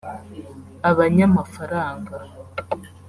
abanyamafaranga